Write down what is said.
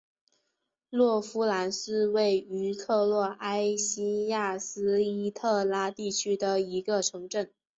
洛夫兰是位于克罗埃西亚伊斯特拉地区的一个城镇。